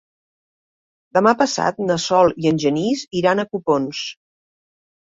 Demà passat na Sol i en Genís iran a Copons.